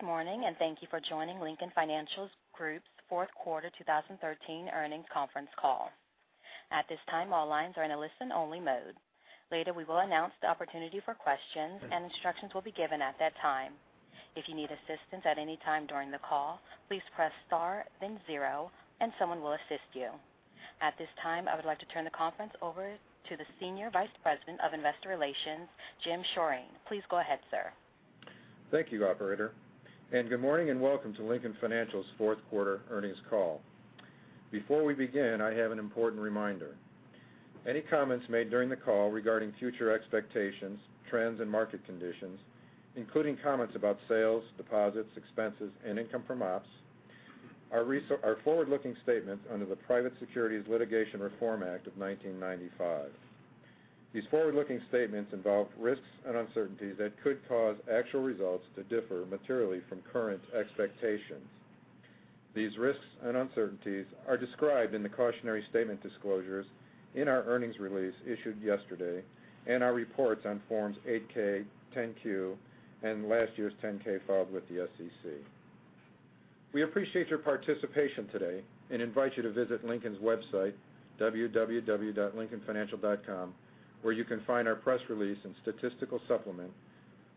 Good morning, and thank you for joining Lincoln Financial Group's fourth quarter 2013 earnings conference call. At this time, all lines are in a listen-only mode. Later, we will announce the opportunity for questions, and instructions will be given at that time. If you need assistance at any time during the call, please press star then zero, and someone will assist you. At this time, I would like to turn the conference over to the Senior Vice President of Investor Relations, Jim Schorring. Please go ahead, sir. Thank you, operator, and good morning, and welcome to Lincoln Financial's fourth quarter earnings call. Before we begin, I have an important reminder. Any comments made during the call regarding future expectations, trends, and market conditions, including comments about sales, deposits, expenses, and income from ops, are forward-looking statements under the Private Securities Litigation Reform Act of 1995. These forward-looking statements involve risks and uncertainties that could cause actual results to differ materially from current expectations. These risks and uncertainties are described in the cautionary statement disclosures in our earnings release issued yesterday and our reports on forms 8K, 10Q, and last year's 10K filed with the SEC. We appreciate your participation today and invite you to visit Lincoln's website, www.lincolnfinancial.com, where you can find our press release and statistical supplement,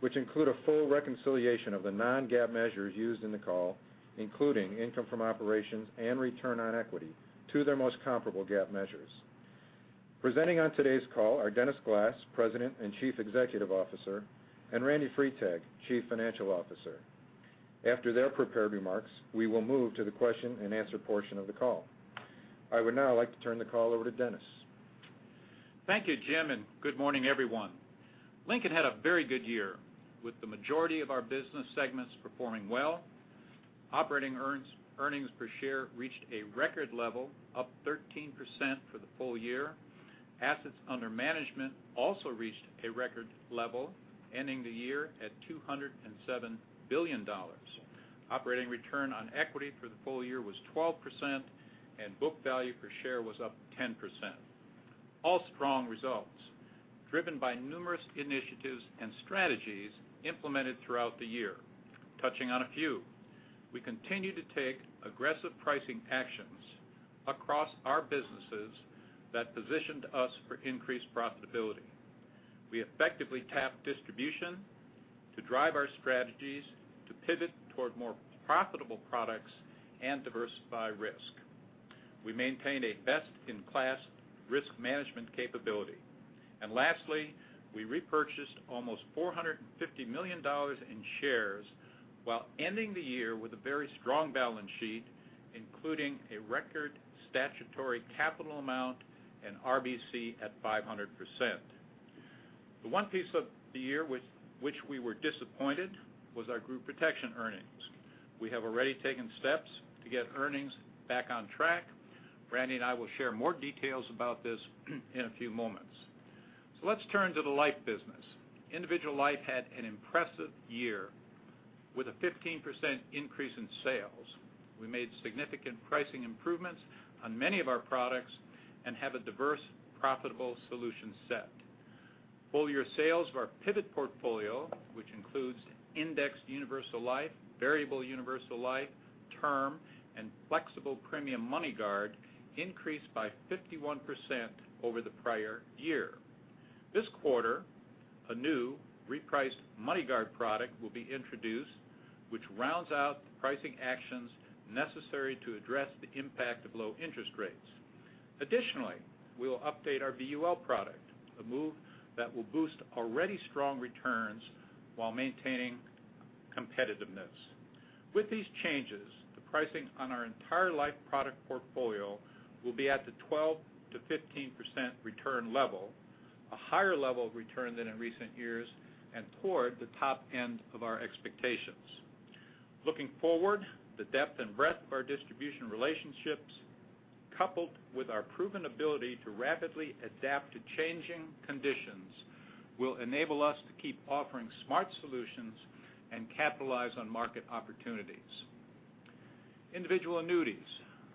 which include a full reconciliation of the non-GAAP measures used in the call, including income from operations and return on equity to their most comparable GAAP measures. Presenting on today's call are Dennis Glass, President and Chief Executive Officer, and Randy Freitag, Chief Financial Officer. After their prepared remarks, we will move to the question and answer portion of the call. I would now like to turn the call over to Dennis. Thank you, Jim, and good morning, everyone. Lincoln had a very good year, with the majority of our business segments performing well. Operating earnings per share reached a record level, up 13% for the full year. Assets under management also reached a record level, ending the year at $207 billion. Operating return on equity for the full year was 12%, and book value per share was up 10%. All strong results driven by numerous initiatives and strategies implemented throughout the year. Touching on a few, we continue to take aggressive pricing actions across our businesses that positioned us for increased profitability. We effectively tapped distribution to drive our strategies to pivot toward more profitable products and diversify risk. We maintained a best-in-class risk management capability. Lastly, we repurchased $450 million in shares while ending the year with a very strong balance sheet, including a record statutory capital amount and RBC at 500%. The one piece of the year which we were disappointed was our group protection earnings. We have already taken steps to get earnings back on track. Randy and I will share more details about this in a few moments. Let's turn to the life business. Individual life had an impressive year with a 15% increase in sales. We made significant pricing improvements on many of our products and have a diverse, profitable solution set. Full-year sales of our pivot portfolio, which includes indexed universal life, variable universal life, term, and flexible premium MoneyGuard, increased by 51% over the prior year. This quarter, a new repriced MoneyGuard product will be introduced, which rounds out the pricing actions necessary to address the impact of low interest rates. Additionally, we'll update our guaranteed universal life product, a move that will boost already strong returns while maintaining competitiveness. With these changes, the pricing on our entire life product portfolio will be at the 12%-15% return level, a higher level of return than in recent years, and toward the top end of our expectations. Looking forward, the depth and breadth of our distribution relationships, coupled with our proven ability to rapidly adapt to changing conditions, will enable us to keep offering smart solutions and capitalize on market opportunities. Individual annuities.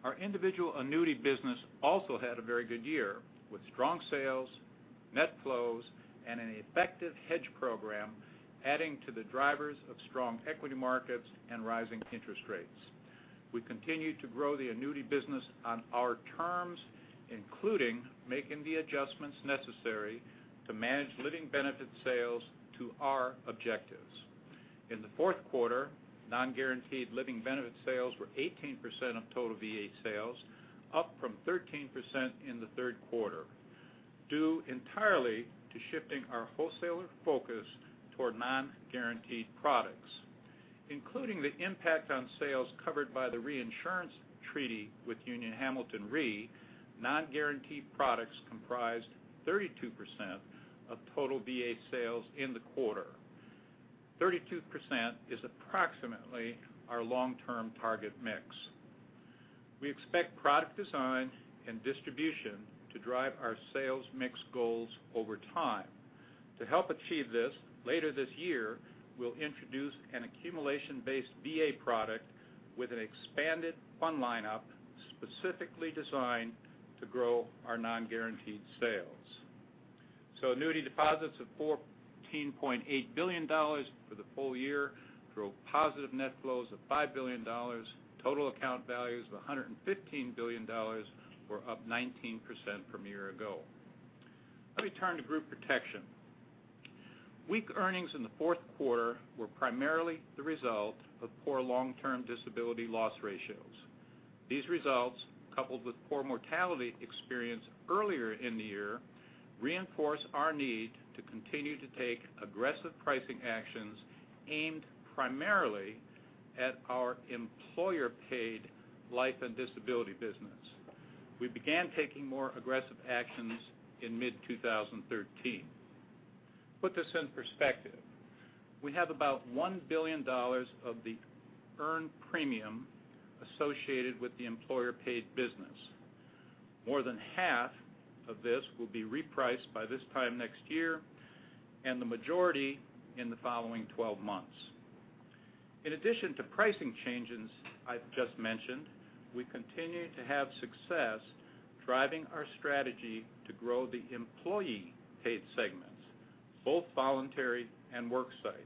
Our individual annuity business also had a very good year, with strong sales, net flows, and an effective hedge program adding to the drivers of strong equity markets and rising interest rates. We continue to grow the annuity business on our terms, including making the adjustments necessary to manage living benefit sales to our objectives. In the fourth quarter, non-guaranteed living benefit sales were 18% of total VA sales, up from 13% in the third quarter, due entirely to shifting our wholesaler focus toward non-guaranteed products. Including the impact on sales covered by the reinsurance treaty with Union Hamilton Re, non-guaranteed products comprised 32% of total VA sales in the quarter. 32% is approximately our long-term target mix. We expect product design and distribution to drive our sales mix goals over time. To help achieve this, later this year, we'll introduce an accumulation-based VA product with an expanded fund lineup specifically designed to grow our non-guaranteed sales. Annuity deposits of $14.8 billion for the full year drove positive net flows of $5 billion. Total account values of $115 billion were up 19% from a year ago. Let me turn to Group Protection. Weak earnings in the fourth quarter were primarily the result of poor long-term disability loss ratios. These results, coupled with poor mortality experience earlier in the year, reinforce our need to continue to take aggressive pricing actions aimed primarily at our employer-paid life and disability business. We began taking more aggressive actions in mid-2013. Put this in perspective. We have about $1 billion of the earned premium associated with the employer-paid business. More than half of this will be repriced by this time next year, and the majority in the following 12 months. In addition to pricing changes I've just mentioned, we continue to have success driving our strategy to grow the employee-paid segments, both voluntary and worksite,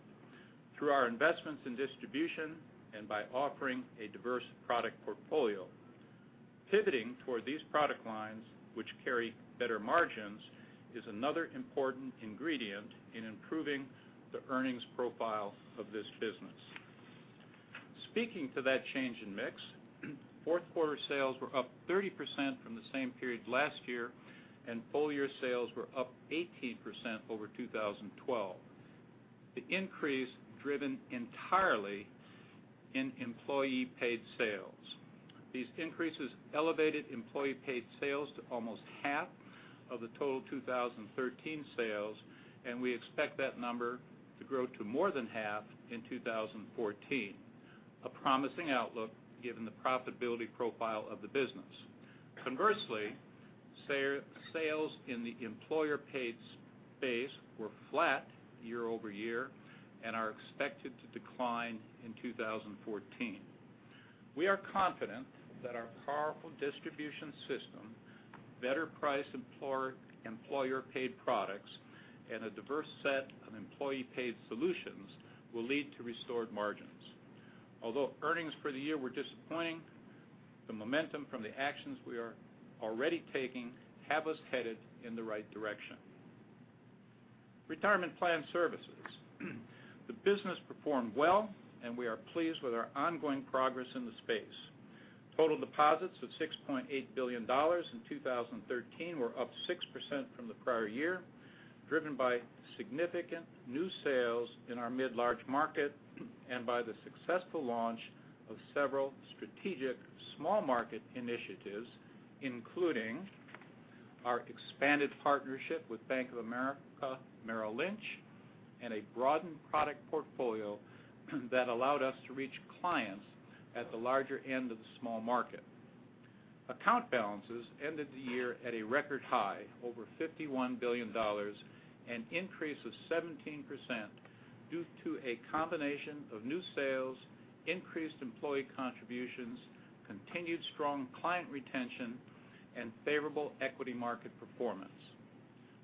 through our investments in distribution and by offering a diverse product portfolio. Pivoting toward these product lines, which carry better margins, is another important ingredient in improving the earnings profile of this business. Speaking to that change in mix, fourth quarter sales were up 30% from the same period last year, full year sales were up 18% over 2012. The increase driven entirely in employee-paid sales. These increases elevated employee-paid sales to almost half of the total 2013 sales, and we expect that number to grow to more than half in 2014. A promising outlook given the profitability profile of the business. Conversely, sales in the employer-paid space were flat year-over-year and are expected to decline in 2014. We are confident that our powerful distribution system, better price employer-paid products, and a diverse set of employee-paid solutions will lead to restored margins. Although earnings for the year were disappointing, the momentum from the actions we are already taking have us headed in the right direction. Retirement Plan Services. The business performed well, We are pleased with our ongoing progress in the space. Total deposits of $6.8 billion in 2013 were up 6% from the prior year, driven by significant new sales in our mid-large market and by the successful launch of several strategic small market initiatives, including our expanded partnership with Bank of America Merrill Lynch and a broadened product portfolio that allowed us to reach clients at the larger end of the small market. Account balances ended the year at a record high, over $51 billion, an increase of 17% due to a combination of new sales, increased employee contributions, continued strong client retention, and favorable equity market performance.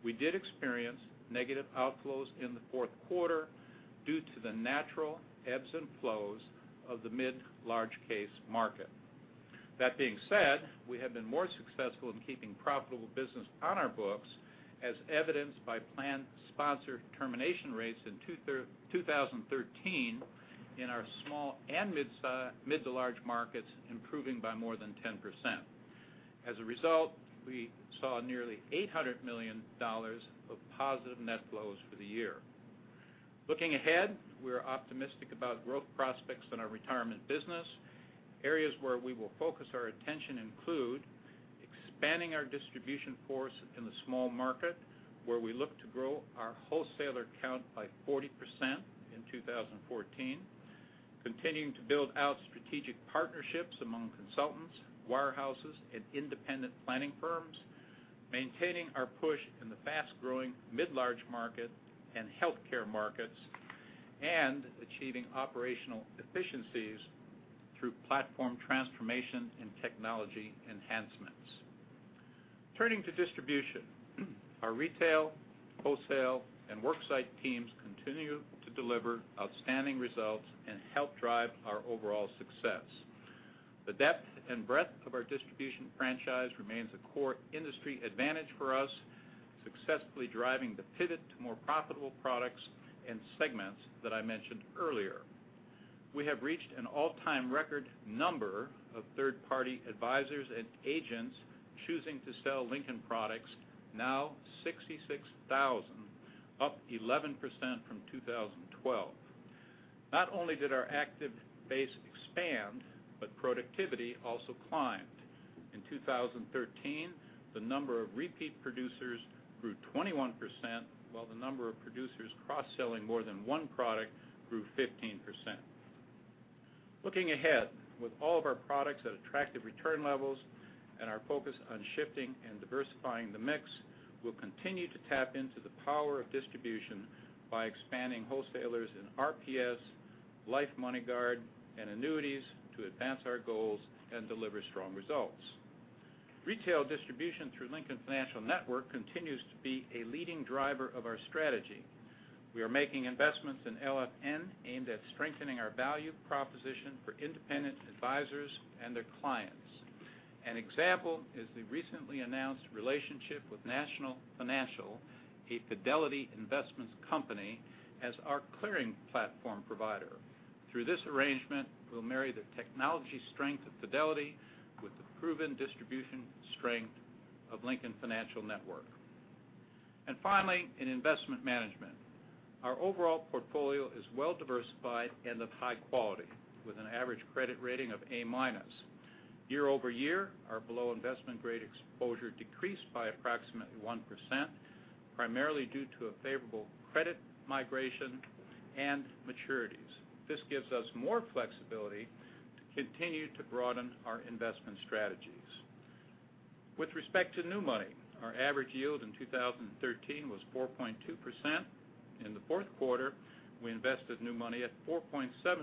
We did experience negative outflows in the fourth quarter due to the natural ebbs and flows of the mid, large case market. That being said, we have been more successful in keeping profitable business on our books, as evidenced by planned sponsor termination rates in 2013 in our small and mid to large markets improving by more than 10%. As a result, we saw nearly $800 million of positive net flows for the year. Looking ahead, we are optimistic about growth prospects in our retirement business. Areas where we will focus our attention include expanding our distribution force in the small market, where we look to grow our wholesaler count by 40% in 2014, continuing to build out strategic partnerships among consultants, wirehouses, and independent planning firms, maintaining our push in the fast-growing mid-large market and healthcare markets, and achieving operational efficiencies through platform transformation and technology enhancements. Turning to distribution. Our retail, wholesale, and worksite teams continue to deliver outstanding results and help drive our overall success. The depth and breadth of our distribution franchise remains a core industry advantage for us, successfully driving the pivot to more profitable products and segments that I mentioned earlier. We have reached an all-time record number of third-party advisors and agents choosing to sell Lincoln products, now 66,000, up 11% from 2012. Not only did our active base expand, but productivity also climbed. In 2013, the number of repeat producers grew 21%, while the number of producers cross-selling more than one product grew 15%. Looking ahead, with all of our products at attractive return levels and our focus on shifting and diversifying the mix, we'll continue to tap into the power of distribution by expanding wholesalers in RPS Life MoneyGuard and annuities to advance our goals and deliver strong results. Retail distribution through Lincoln Financial Network continues to be a leading driver of our strategy. We are making investments in LFN aimed at strengthening our value proposition for independent advisors and their clients. An example is the recently announced relationship with National Financial, a Fidelity Investments company, as our clearing platform provider. Through this arrangement, we'll marry the technology strength of Fidelity with the proven distribution strength of Lincoln Financial Network. Finally, in investment management, our overall portfolio is well-diversified and of high quality, with an average credit rating of A-minus. Year-over-year, our below investment grade exposure decreased by approximately 1%, primarily due to a favorable credit migration and maturities. This gives us more flexibility to continue to broaden our investment strategies. With respect to new money, our average yield in 2013 was 4.2%. In the fourth quarter, we invested new money at 4.7%,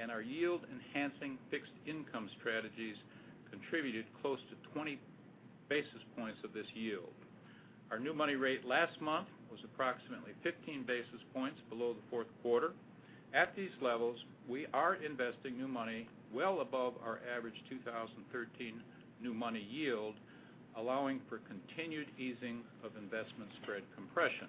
and our yield-enhancing fixed income strategies contributed close to 20 basis points of this yield. Our new money rate last month was approximately 15 basis points below the fourth quarter. At these levels, we are investing new money well above our average 2013 new money yield, allowing for continued easing of investment spread compression.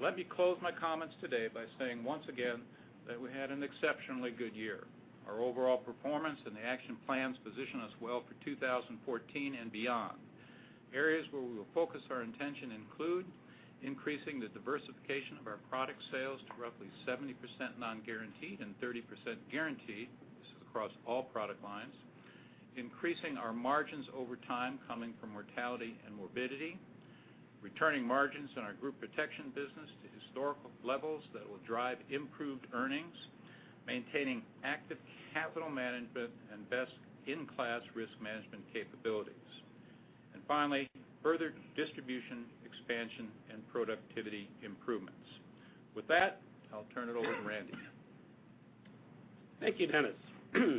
Let me close my comments today by saying once again that we had an exceptionally good year. Our overall performance and the action plans position us well for 2014 and beyond. Areas where we will focus our intention include increasing the diversification of our product sales to roughly 70% non-guaranteed and 30% guaranteed. This is across all product lines. Increasing our margins over time coming from mortality and morbidity. Returning margins in our group protection business to historical levels that will drive improved earnings. Maintaining active capital management and best-in-class risk management capabilities. Finally, further distribution expansion and productivity improvements. With that, I'll turn it over to Randy. Thank you, Dennis.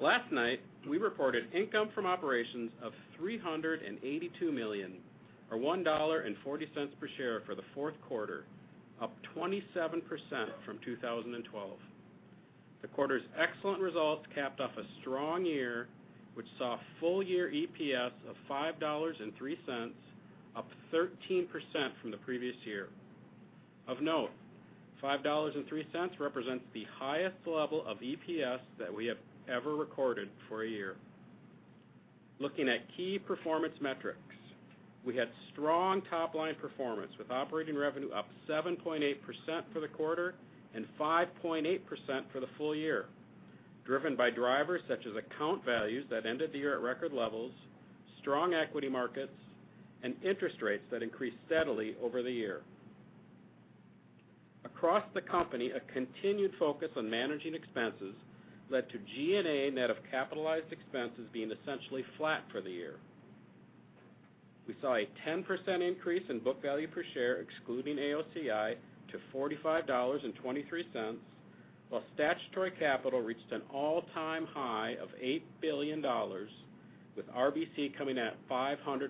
Last night, we reported income from operations of $382 million, or $1.40 per share for the fourth quarter, up 27% from 2012. The quarter's excellent results capped off a strong year, which saw full-year EPS of $5.03, up 13% from the previous year. Of note, $5.03 represents the highest level of EPS that we have ever recorded for a year. Looking at key performance metrics, we had strong top-line performance, with operating revenue up 7.8% for the quarter and 5.8% for the full year, driven by drivers such as account values that ended the year at record levels, strong equity markets, and interest rates that increased steadily over the year. Across the company, a continued focus on managing expenses led to G&A net of capitalized expenses being essentially flat for the year. We saw a 10% increase in book value per share, excluding AOCI, to $45.23, while statutory capital reached an all-time high of $8 billion, with RBC coming at 500%.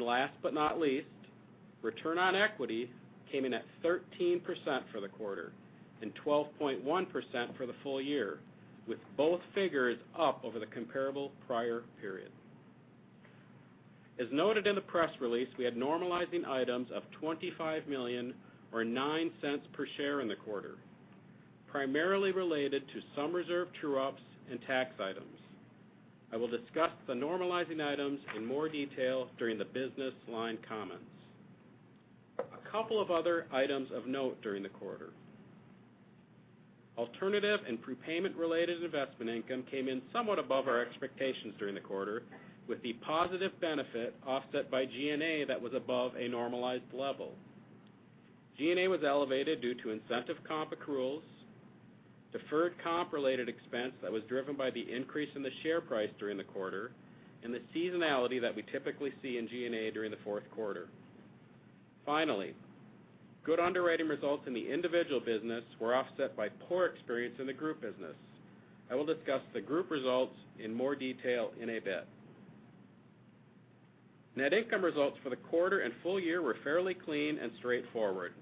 Last but not least, return on equity came in at 13% for the quarter and 12.1% for the full year, with both figures up over the comparable prior period. As noted in the press release, we had normalizing items of $25 million or $0.09 per share in the quarter, primarily related to some reserve true-ups and tax items. I will discuss the normalizing items in more detail during the business line comments. A couple of other items of note during the quarter. Alternative and prepayment-related investment income came in somewhat above our expectations during the quarter, with the positive benefit offset by G&A that was above a normalized level. G&A was elevated due to incentive comp accruals, deferred comp-related expense that was driven by the increase in the share price during the quarter, and the seasonality that we typically see in G&A during the fourth quarter. Finally, good underwriting results in the individual business were offset by poor experience in the group business. I will discuss the group results in more detail in a bit. Net income results for the quarter and full year were fairly clean and straightforward.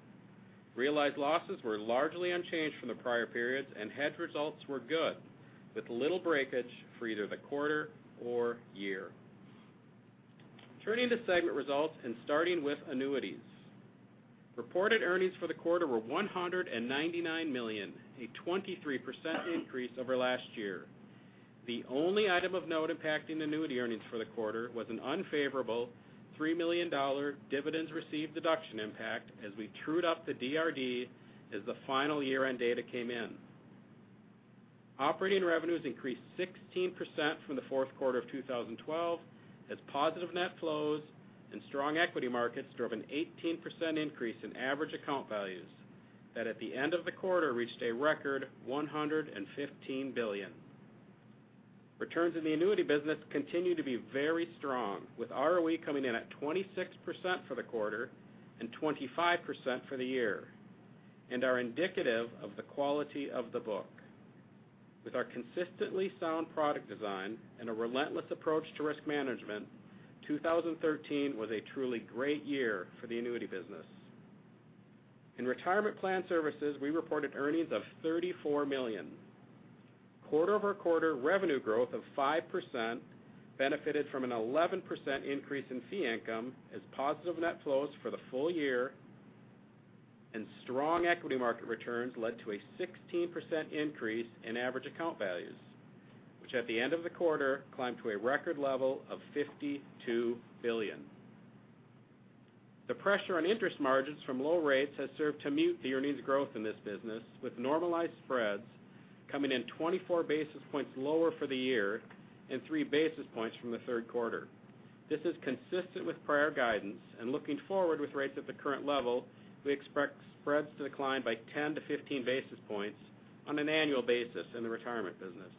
Realized losses were largely unchanged from the prior periods, and hedge results were good, with little breakage for either the quarter or year. Turning to segment results and starting with annuities. Reported earnings for the quarter were $199 million, a 23% increase over last year. The only item of note impacting annuity earnings for the quarter was an unfavorable $3 million dividends received deduction impact as we trued up the DRD as the final year-end data came in. Operating revenues increased 16% from the fourth quarter of 2012, as positive net flows and strong equity markets drove an 18% increase in average account values that at the end of the quarter reached a record $115 billion. Returns in the annuity business continue to be very strong, with ROE coming in at 26% for the quarter and 25% for the year, and are indicative of the quality of the book. With our consistently sound product design and a relentless approach to risk management, 2013 was a truly great year for the annuity business. In retirement plan services, we reported earnings of $34 million. Quarter-over-quarter revenue growth of 5% benefited from an 11% increase in fee income as positive net flows for the full year, and strong equity market returns led to a 16% increase in average account values, which at the end of the quarter climbed to a record level of $52 billion. The pressure on interest margins from low rates has served to mute the earnings growth in this business, with normalized spreads coming in 24 basis points lower for the year and three basis points from the third quarter. This is consistent with prior guidance, and looking forward with rates at the current level, we expect spreads to decline by 10 to 15 basis points on an annual basis in the retirement business.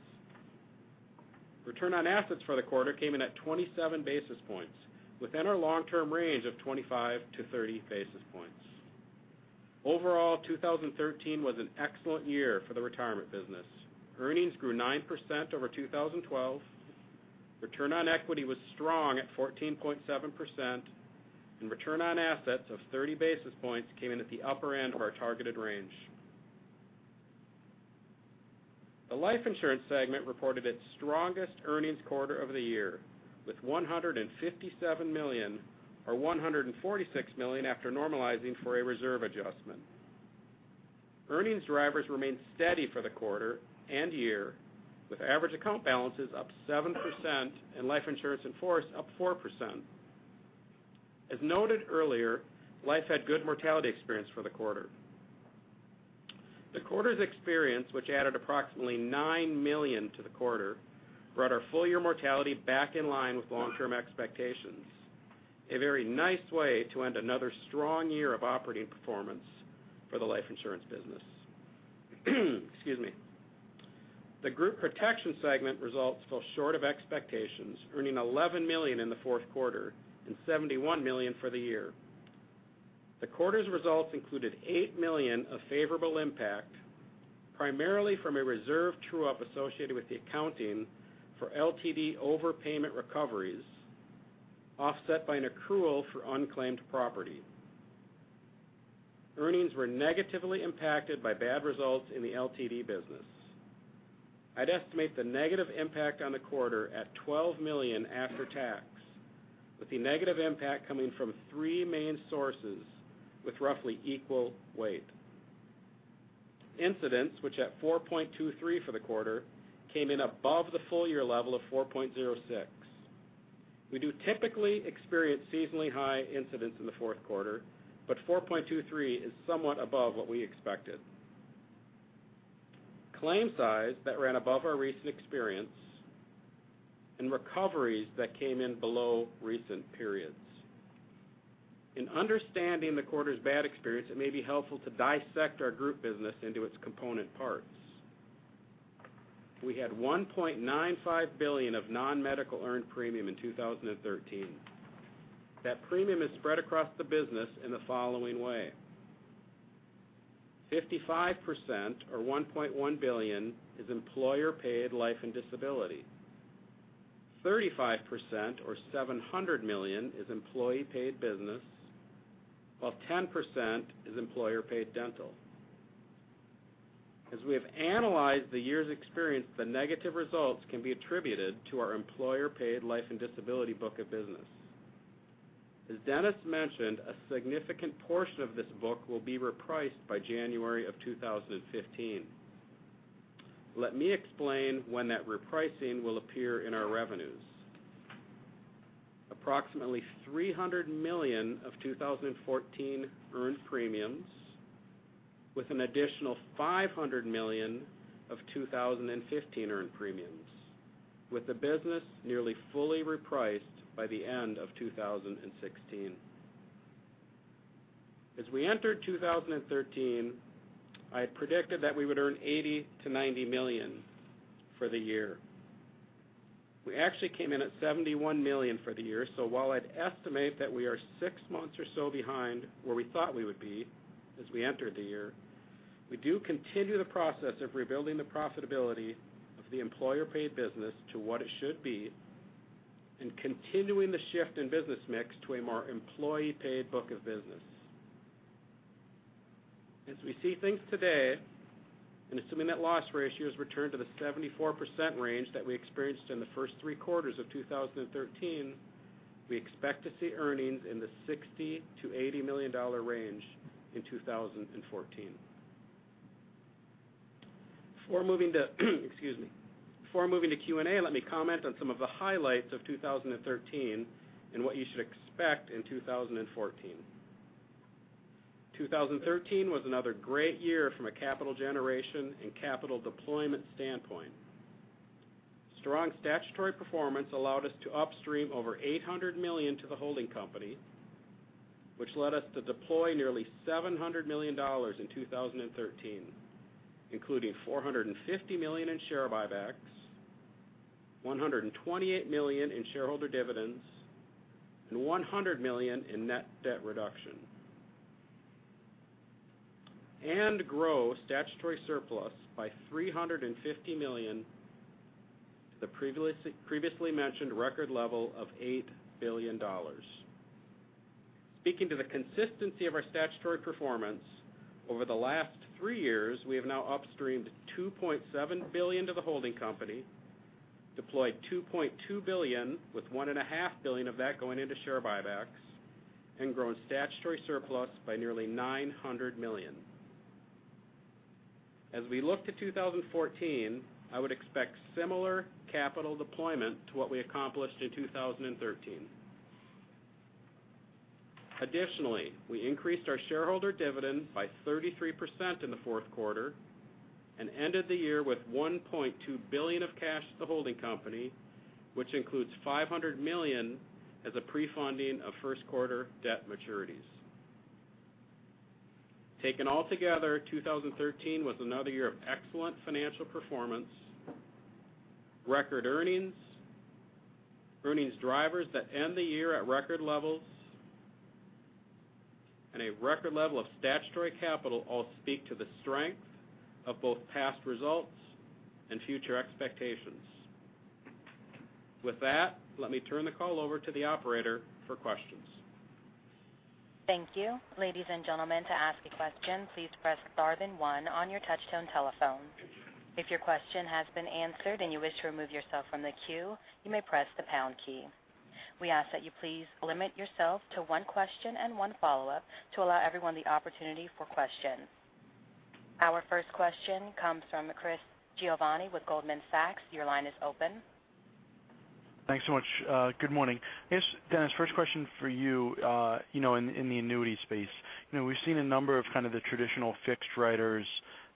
Return on assets for the quarter came in at 27 basis points, within our long-term range of 25 to 30 basis points. Overall, 2013 was an excellent year for the retirement business. Earnings grew 9% over 2012, return on equity was strong at 14.7%, and return on assets of 30 basis points came in at the upper end of our targeted range. The life insurance segment reported its strongest earnings quarter of the year, with $157 million, or $146 million after normalizing for a reserve adjustment. Earnings drivers remained steady for the quarter and year, with average account balances up 7% and life insurance in force up 4%. As noted earlier, life had good mortality experience for the quarter. The quarter's experience, which added approximately $9 million to the quarter, brought our full-year mortality back in line with long-term expectations. A very nice way to end another strong year of operating performance for the life insurance business. Excuse me. The group protection segment results fell short of expectations, earning $11 million in the fourth quarter and $71 million for the year. The quarter's results included $8 million of favorable impact, primarily from a reserve true-up associated with the accounting for LTD overpayment recoveries, offset by an accrual for unclaimed property. Earnings were negatively impacted by bad results in the LTD business. I'd estimate the negative impact on the quarter at $12 million after tax, with the negative impact coming from three main sources with roughly equal weight. Incidence, which at 4.23 for the quarter, came in above the full-year level of 4.06. We do typically experience seasonally high incidents in the fourth quarter, but 4.23 is somewhat above what we expected. Claim size that ran above our recent experience and recoveries that came in below recent periods. In understanding the quarter's bad experience, it may be helpful to dissect our group business into its component parts. We had $1.95 billion of non-medical earned premium in 2013. That premium is spread across the business in the following way: 55%, or $1.1 billion, is employer-paid life and disability. 35%, or $700 million, is employee-paid business, while 10% is employer-paid dental. As we have analyzed the year's experience, the negative results can be attributed to our employer-paid life and disability book of business. As Dennis mentioned, a significant portion of this book will be repriced by January of 2015. Let me explain when that repricing will appear in our revenues. Approximately $300 million of 2014 earned premiums, with an additional $500 million of 2015 earned premiums, with the business nearly fully repriced by the end of 2016. As we entered 2013, I predicted that we would earn $80 to $90 million for the year. While I'd estimate that we are six months or so behind where we thought we would be as we entered the year, we do continue the process of rebuilding the profitability of the employer-paid business to what it should be and continuing the shift in business mix to a more employee-paid book of business. As we see things today, and assuming that loss ratios return to the 74% range that we experienced in the first three quarters of 2013, we expect to see earnings in the $60 to $80 million range in 2014. Before moving to excuse me. Before moving to Q&A, let me comment on some of the highlights of 2013 and what you should expect in 2014. 2013 was another great year from a capital generation and capital deployment standpoint. Strong statutory performance allowed us to upstream over $800 million to the holding company. This led us to deploy nearly $700 million in 2013, including $450 million in share buybacks, $128 million in shareholder dividends, and $100 million in net debt reduction, and grow statutory surplus by $350 million to the previously mentioned record level of $8 billion. Speaking to the consistency of our statutory performance, over the last three years, we have now upstreamed $2.7 billion to the holding company, deployed $2.2 billion, with $1.5 billion of that going into share buybacks, and grown statutory surplus by nearly $900 million. As we look to 2014, I would expect similar capital deployment to what we accomplished in 2013. Additionally, we increased our shareholder dividend by 33% in the fourth quarter and ended the year with $1.2 billion of cash at the holding company, which includes $500 million as a pre-funding of first quarter debt maturities. Taken all together, 2013 was another year of excellent financial performance. Record earnings drivers that end the year at record levels, and a record level of statutory capital all speak to the strength of both past results and future expectations. With that, let me turn the call over to the operator for questions. Thank you. Ladies and gentlemen, to ask a question, please press star then one on your touch-tone telephone. If your question has been answered and you wish to remove yourself from the queue, you may press the pound key. We ask that you please limit yourself to one question and one follow-up to allow everyone the opportunity for questions. Our first question comes from Chris Giovanni with Goldman Sachs. Your line is open. Thanks so much. Good morning. I guess, Dennis, first question for you. In the annuity space, we've seen a number of kind of the traditional fixed writers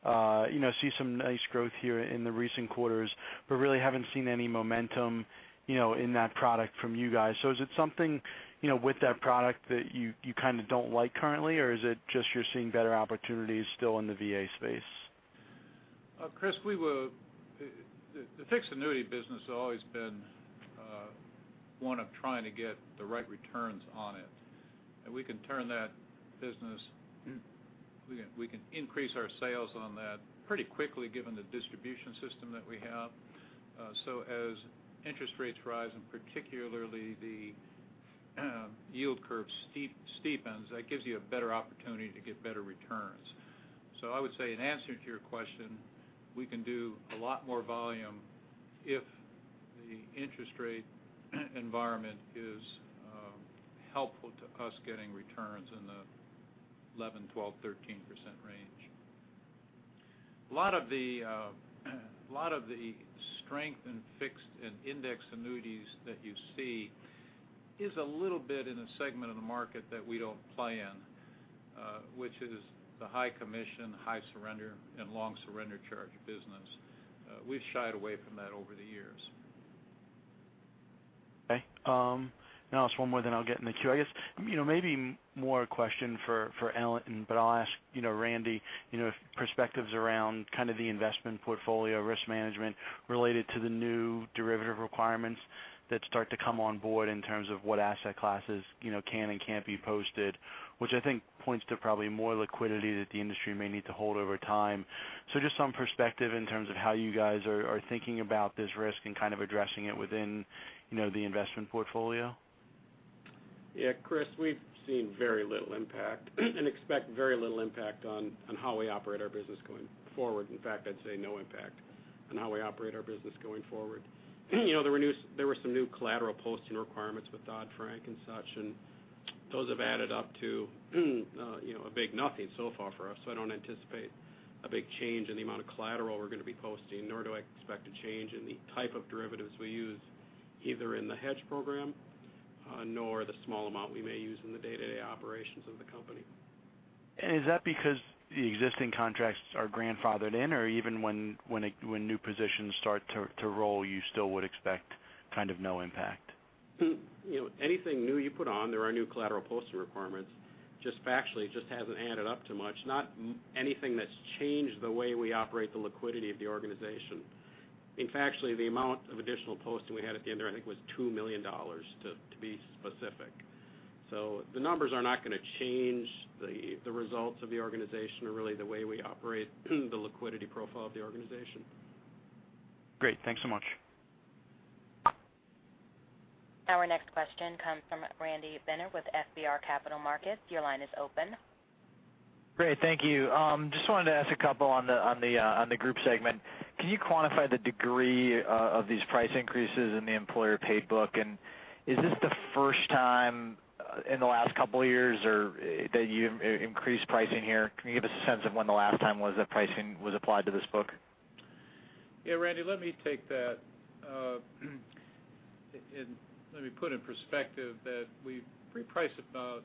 see some nice growth here in the recent quarters, but really haven't seen any momentum in that product from you guys. Is it something with that product that you kind of don't like currently, or is it just you're seeing better opportunities still in the VA space? Chris, the fixed annuity business has always been one of trying to get the right returns on it, and we can turn that business, increase our sales on that pretty quickly given the distribution system that we have. As interest rates rise and particularly the yield curve steepens, that gives you a better opportunity to get better returns. I would say in answer to your question, we can do a lot more volume if the interest rate environment is helpful to us getting returns in the 11, 12, 13% range. A lot of the strength in fixed and indexed annuities that you see is a little bit in a segment of the market that we don't play in, which is the high commission, high surrender, and long surrender charge business. We've shied away from that over the years. Okay. I'll ask one more then I'll get in the queue. I guess maybe more a question for Allan, but I'll ask Randy perspectives around kind of the investment portfolio risk management related to the new derivative requirements that start to come on board in terms of what asset classes can and can't be posted, which I think points to probably more liquidity that the industry may need to hold over time. Just some perspective in terms of how you guys are thinking about this risk and kind of addressing it within the investment portfolio. Yeah, Chris, we've seen very little impact and expect very little impact on how we operate our business going forward. In fact, I'd say no impact on how we operate our business going forward. There were some new collateral posting requirements with Dodd-Frank and such, and those have added up to a big nothing so far for us. I don't anticipate a big change in the amount of collateral we're going to be posting, nor do I expect a change in the type of derivatives we use, either in the hedge program, nor the small amount we may use in the day-to-day operations of the company. Is that because the existing contracts are grandfathered in or even when new positions start to roll, you still would expect kind of no impact? Anything new you put on, there are new collateral posting requirements. Just factually, it just hasn't added up to much, not anything that's changed the way we operate the liquidity of the organization. In factually, the amount of additional posting we had at the end there, I think, was $2 million, to be specific. The numbers are not going to change the results of the organization or really the way we operate the liquidity profile of the organization. Great. Thanks so much. Our next question comes from Randy Binner with FBR Capital Markets. Your line is open. Great. Thank you. Just wanted to ask a couple on the group segment. Can you quantify the degree of these price increases in the employer paid book? Is this the first time in the last couple of years that you increased pricing here? Can you give us a sense of when the last time was that pricing was applied to this book? Randy, let me take that. Let me put in perspective that we reprice about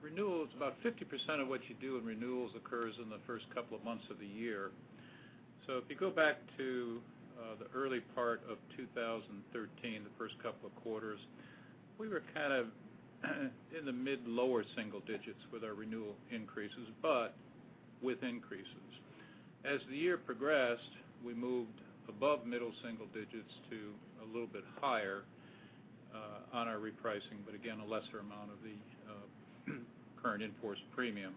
renewals, 50% of what you do in renewals occurs in the first couple of months of the year. If you go back to the early part of 2013, the first couple of quarters, we were kind of in the mid-lower single digits with our renewal increases, but with increases. As the year progressed, we moved above middle single digits to a little bit higher on our repricing, but again, a lesser amount of the current in-force premium.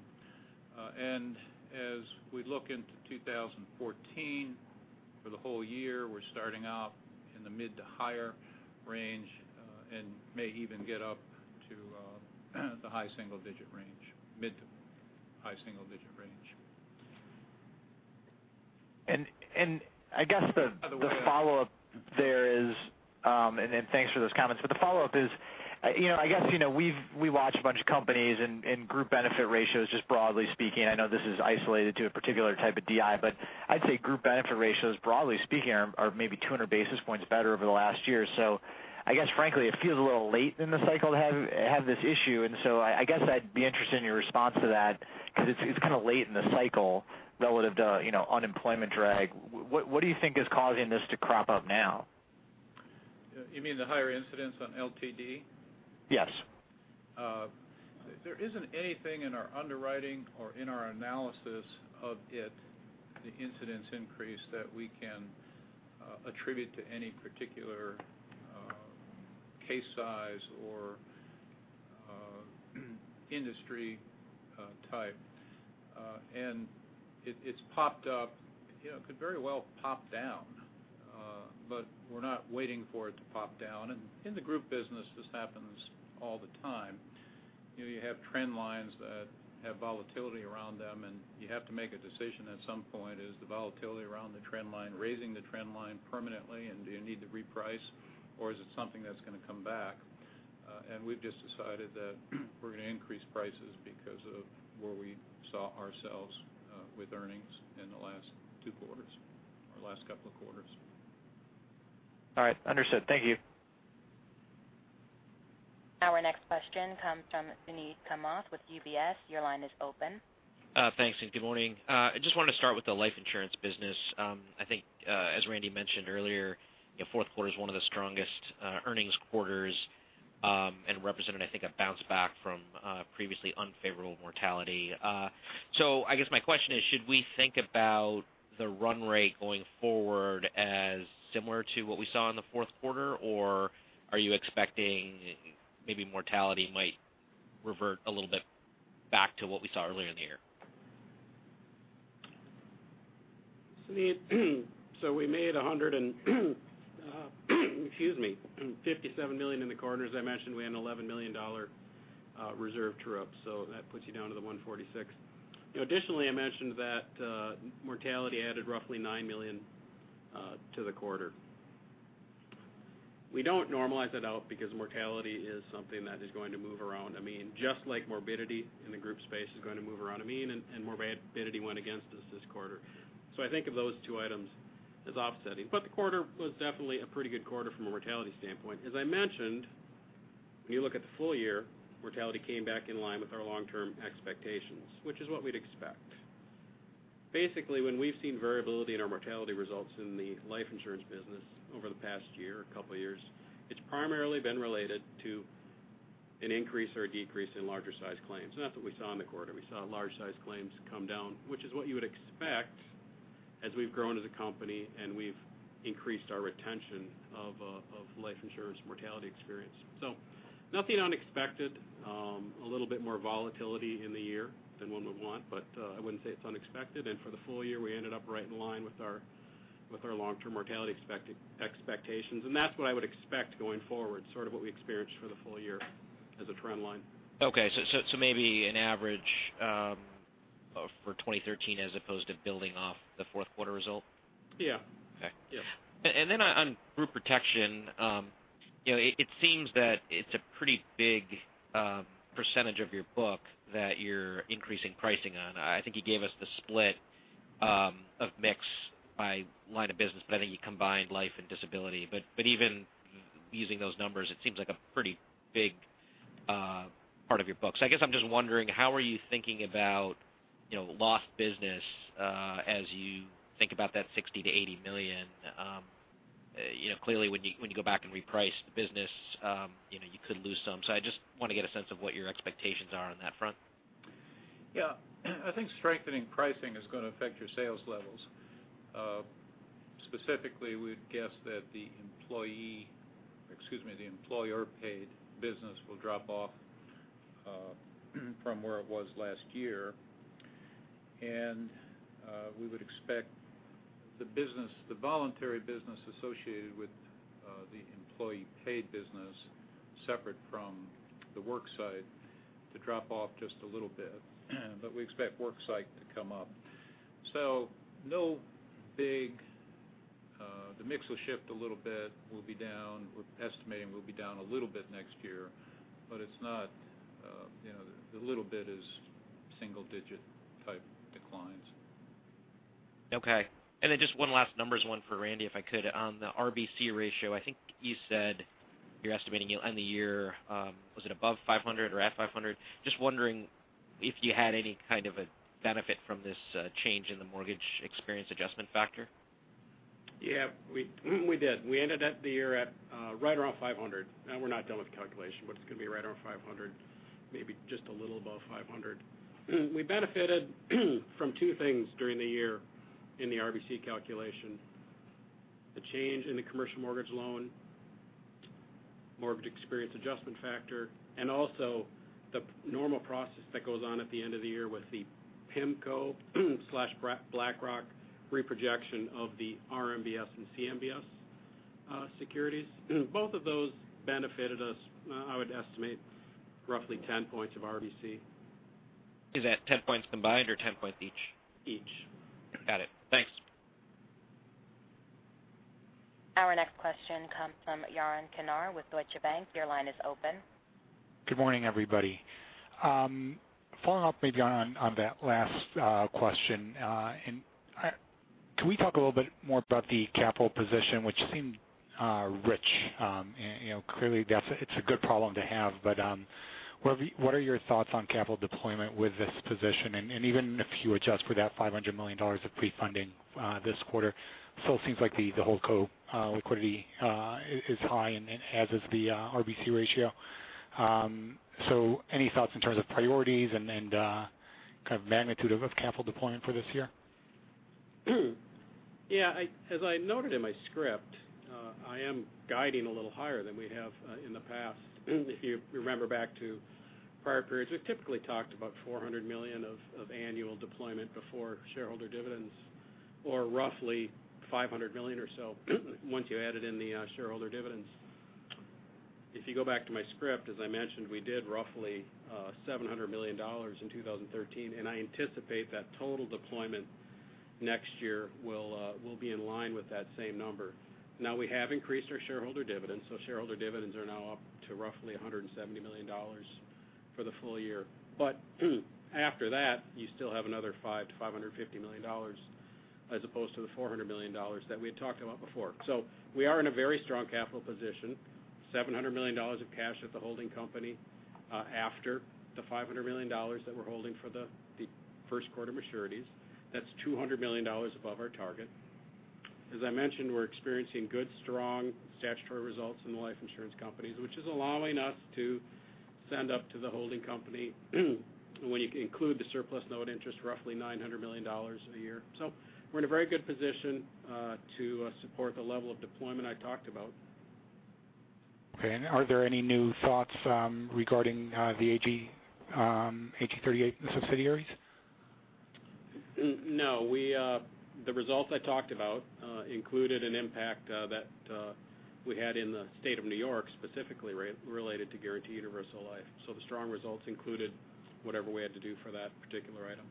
As we look into 2014 for the whole year, we're starting out in the mid-to-higher range, and may even get up to the high single-digit range, mid-to-high single-digit range. I guess the follow-up there is, thanks for those comments, but the follow-up is, I guess we watch a bunch of companies and group benefit ratios, just broadly speaking. I know this is isolated to a particular type of DI, but I'd say group benefit ratios, broadly speaking, are maybe 200 basis points better over the last year. I guess frankly, it feels a little late in the cycle to have this issue, I guess I'd be interested in your response to that, because it's kind of late in the cycle, relative to unemployment drag. What do you think is causing this to crop up now? You mean the higher incidents on LTD? Yes. There isn't anything in our underwriting or in our analysis of it, the incidence increase, that we can attribute to any particular case size or industry type. It's popped up. It could very well pop down. We're not waiting for it to pop down. In the group business, this happens all the time. You have trend lines that have volatility around them, and you have to make a decision at some point, is the volatility around the trend line raising the trend line permanently, and do you need to reprice, or is it something that's going to come back? We've just decided that we're going to increase prices because of where we saw ourselves with earnings in the last two quarters or last couple of quarters. All right. Understood. Thank you. Our next question comes from Suneet Kamath with UBS. Your line is open. Thanks. Good morning. I just wanted to start with the life insurance business. I think, as Randy mentioned earlier, fourth quarter is one of the strongest earnings quarters and represented, I think, a bounce back from previously unfavorable mortality. I guess my question is, should we think about the run rate going forward as similar to what we saw in the fourth quarter? Or are you expecting maybe mortality might revert a little bit back to what we saw earlier in the year? Suneet, We made, excuse me, $157 million in the quarter. As I mentioned, we had an $11 million reserve true-up. That puts you down to the $146 million. Additionally, I mentioned that mortality added roughly $9 million to the quarter. We don't normalize that out because mortality is something that is going to move around a mean, just like morbidity in the group space is going to move around a mean. Morbidity went against us this quarter. I think of those two items as offsetting. The quarter was definitely a pretty good quarter from a mortality standpoint. As I mentioned, when you look at the full year, mortality came back in line with our long-term expectations, which is what we'd expect. Basically, when we've seen variability in our mortality results in the life insurance business over the past year, couple years, it's primarily been related to an increase or a decrease in larger sized claims. That's what we saw in the quarter. We saw large sized claims come down, which is what you would expect as we've grown as a company and we've increased our retention of life insurance mortality experience. Nothing unexpected. A little bit more volatility in the year than one would want, but I wouldn't say it's unexpected. For the full year, we ended up right in line with our long-term mortality expectations. That's what I would expect going forward, sort of what we experienced for the full year as a trend line. Okay. Maybe an average for 2013 as opposed to building off the fourth quarter result? Yeah. Okay. Yeah. On group protection, it seems that it's a pretty big percentage of your book that you're increasing pricing on. I think you gave us the split of mix by line of business, but I think you combined life and disability. Even using those numbers, it seems like a pretty big part of your book. I guess I'm just wondering, how are you thinking about lost business as you think about that $60 million to $80 million? Clearly when you go back and reprice the business, you could lose some. I just want to get a sense of what your expectations are on that front. Yeah. I think strengthening pricing is going to affect your sales levels. Specifically, we'd guess that the employee, the employer paid business will drop off from where it was last year. We would expect the business, the voluntary business associated with the employee paid business, separate from the work site, to drop off just a little bit. We expect work site to come up. The mix will shift a little bit. We're estimating we'll be down a little bit next year, but the little bit is single digit type declines. Okay. Then just one last numbers one for Randy, if I could. On the RBC ratio, I think you said you're estimating you'll end the year, was it above 500 or at 500? Just wondering if you had any kind of a benefit from this change in the mortgage experience adjustment factor? Yeah, we did. We ended the year at right around 500. Now we're not done with the calculation, but it's going to be right around 500, maybe just a little above 500. We benefited from two things during the year in the RBC calculation. The change in the commercial mortgage loan, mortgage experience adjustment factor, and also the normal process that goes on at the end of the year with the PIMCO/BlackRock reprojection of the RMBS and CMBS securities. Both of those benefited us, I would estimate roughly 10 points of RBC. Is that 10 points combined or 10 points each? Each. Got it. Thanks. Our next question comes from Yaron Kinar with Deutsche Bank. Your line is open. Good morning, everybody. Following up maybe on that last question, can we talk a little bit more about the capital position, which seemed rich? Clearly, it's a good problem to have. What are your thoughts on capital deployment with this position? Even if you adjust for that $500 million of pre-funding this quarter, it still seems like the holdco liquidity is high and as is the RBC ratio. Any thoughts in terms of priorities and kind of magnitude of capital deployment for this year? Yeah. As I noted in my script, I am guiding a little higher than we have in the past. If you remember back to prior periods, we've typically talked about $400 million of annual deployment before shareholder dividends, or roughly $500 million or so once you added in the shareholder dividends. If you go back to my script, as I mentioned, we did roughly $700 million in 2013. I anticipate that total deployment next year will be in line with that same number. Now we have increased our shareholder dividends. Shareholder dividends are now up to roughly $170 million for the full year. After that, you still have another $500 million to $550 million as opposed to the $400 million that we had talked about before. We are in a very strong capital position, $700 million of cash at the holding company after the $500 million that we're holding for the first quarter maturities. That's $200 million above our target. As I mentioned, we're experiencing good, strong statutory results in the life insurance companies, which is allowing us to send up to the holding company, when you include the surplus note interest, roughly $900 million a year. We're in a very good position to support the level of deployment I talked about. Okay, are there any new thoughts regarding the AG 38 subsidiaries? No. The results I talked about included an impact that we had in the state of New York, specifically related to guaranteed universal life. The strong results included whatever we had to do for that particular item.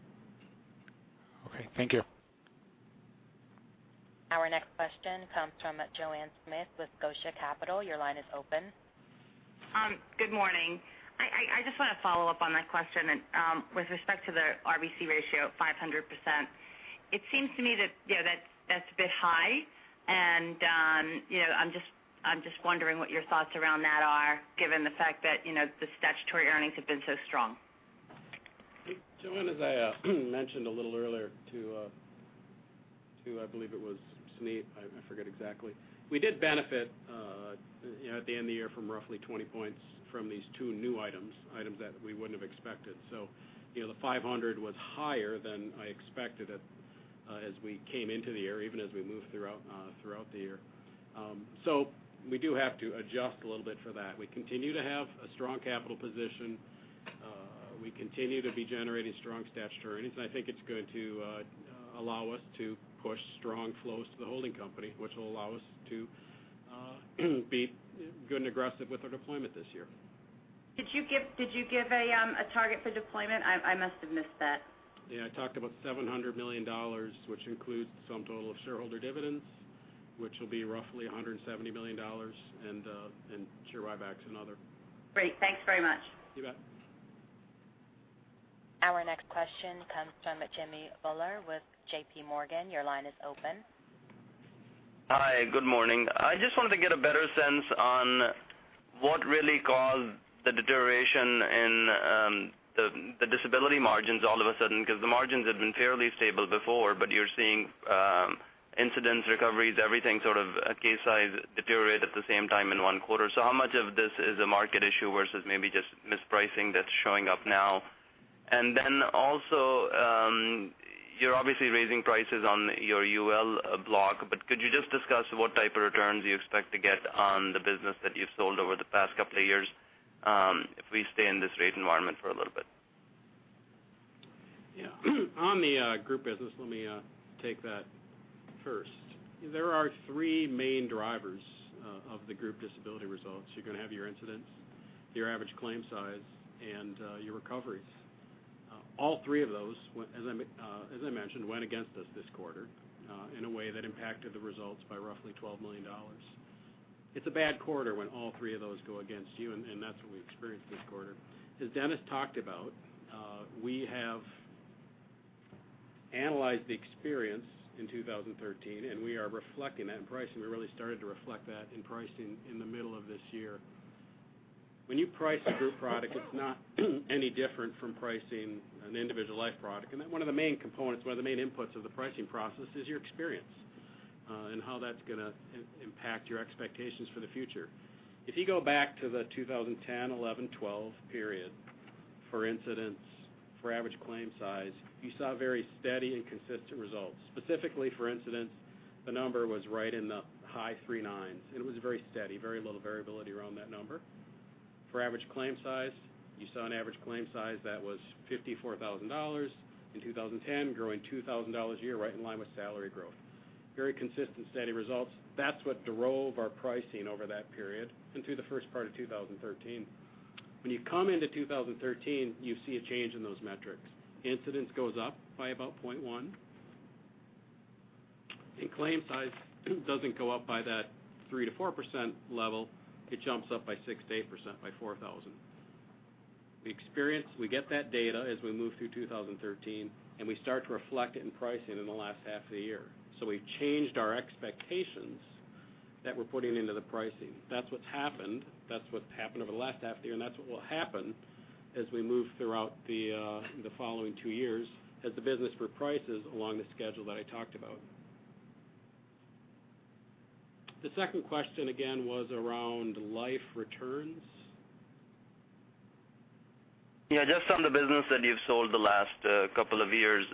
Okay, thank you. Our next question comes from Joanne Smith with Scotia Capital. Your line is open. Good morning. I just want to follow up on that question with respect to the RBC ratio of 500%. It seems to me that's a bit high and I'm just wondering what your thoughts around that are, given the fact that the statutory earnings have been so strong. Joanne, as I mentioned a little earlier to, I believe it was Suneet. I forget exactly. We did benefit at the end of the year from roughly 20 points from these two new items that we wouldn't have expected. The 500 was higher than I expected it as we came into the year, even as we moved throughout the year. We do have to adjust a little bit for that. We continue to have a strong capital position. We continue to be generating strong statutory earnings, I think it's going to allow us to push strong flows to the holding company, which will allow us to be good and aggressive with our deployment this year. Did you give a target for deployment? I must have missed that. Yeah, I talked about $700 million, which includes the sum total of shareholder dividends, which will be roughly $170 million. Share buybacks and other. Great. Thanks very much. You bet. Our next question comes from Jimmy Bhoola with JPMorgan. Your line is open. Hi. Good morning. I just wanted to get a better sense on what really caused the deterioration in the disability margins all of a sudden, because the margins had been fairly stable before, but you're seeing incidents, recoveries, everything sort of at case size deteriorate at the same time in one quarter. How much of this is a market issue versus maybe just mispricing that's showing up now? Also, you're obviously raising prices on your UL block, but could you just discuss what type of returns you expect to get on the business that you've sold over the past couple of years if we stay in this rate environment for a little bit? Yeah. On the group business, let me take that first. There are three main drivers of the group disability results. You're going to have your incidents, your average claim size, and your recoveries. All three of those, as I mentioned, went against us this quarter in a way that impacted the results by roughly $12 million. It's a bad quarter when all three of those go against you, and that's what we experienced this quarter. As Dennis talked about, we analyzed the experience in 2013, and we are reflecting that in pricing. We really started to reflect that in pricing in the middle of this year. When you price a group product, it's not any different from pricing an individual life product. One of the main components, one of the main inputs of the pricing process, is your experience, and how that's going to impact your expectations for the future. If you go back to the 2010, 2011, 2012 period for incidents, for average claim size, you saw very steady and consistent results. Specifically for incidents, the number was right in the high 39s. It was very steady, very little variability around that number. For average claim size, you saw an average claim size that was $54,000 in 2010, growing $2,000 a year, right in line with salary growth. Very consistent, steady results. That's what drove our pricing over that period and through the first part of 2013. When you come into 2013, you see a change in those metrics. Incidence goes up by about 0.1. Claim size doesn't go up by that 3%-4% level. It jumps up by 6%-8%, by $4,000. The experience, we get that data as we move through 2013, and we start to reflect it in pricing in the last half of the year. We've changed our expectations that we're putting into the pricing. That's what's happened. That's what's happened over the last half of the year, and that's what will happen as we move throughout the following two years as the business reprices along the schedule that I talked about. The second question, again, was around life returns? Yeah, just on the business that you've sold the last couple of years.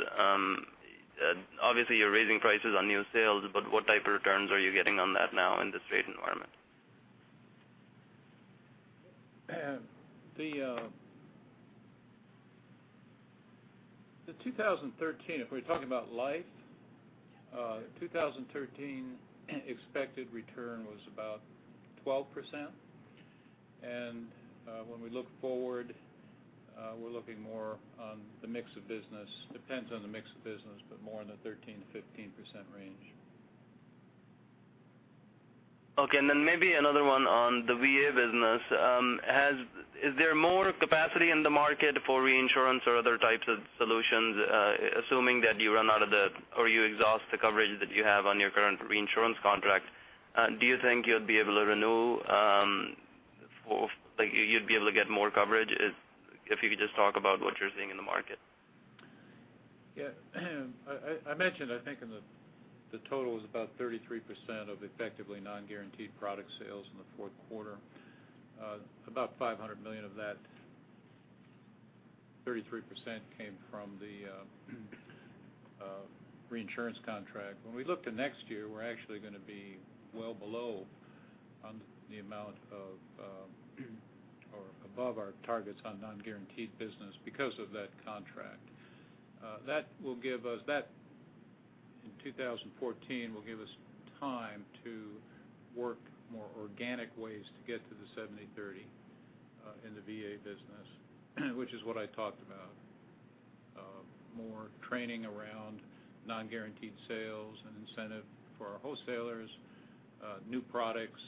Obviously, you're raising prices on new sales, what type of returns are you getting on that now in this rate environment? The 2013, if we're talking about life, 2013 expected return was about 12%. When we look forward, we're looking more on the mix of business. Depends on the mix of business, but more in the 13%-15% range. Okay, then maybe another one on the VA business. Is there more capacity in the market for reinsurance or other types of solutions, assuming that you run out of the, or you exhaust the coverage that you have on your current reinsurance contract, do you think you'll be able to renew, like you'd be able to get more coverage? If you could just talk about what you're seeing in the market. Yeah. I mentioned, I think in the total is about 33% of effectively non-guaranteed product sales in the fourth quarter. About $500 million of that, 33% came from the reinsurance contract. When we look to next year, we're actually going to be well below on the amount of, or above our targets on non-guaranteed business because of that contract. That, in 2014, will give us time to work more organic ways to get to the 70-30 in the VA business, which is what I talked about. More training around non-guaranteed sales and incentive for our wholesalers, new products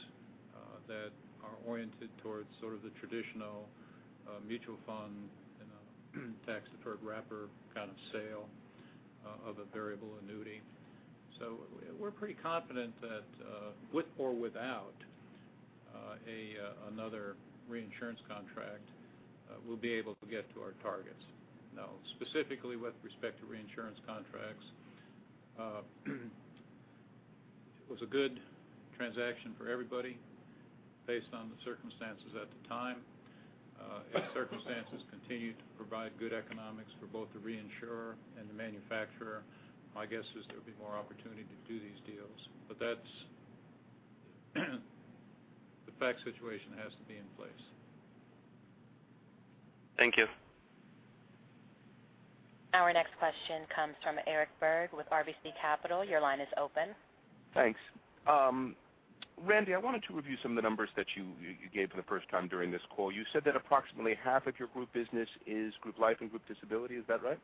that are oriented towards sort of the traditional mutual fund in a tax deferred wrapper kind of sale of a variable annuity. We're pretty confident that with or without another reinsurance contract, we'll be able to get to our targets. Now, specifically with respect to reinsurance contracts, it was a good transaction for everybody based on the circumstances at the time. If circumstances continue to provide good economics for both the reinsurer and the manufacturer, my guess is there'll be more opportunity to do these deals. The fact situation has to be in place. Thank you. Our next question comes from Eric Berg with RBC Capital. Your line is open. Thanks. Randy, I wanted to review some of the numbers that you gave for the first time during this call. You said that approximately half of your group business is group life and group disability. Is that right?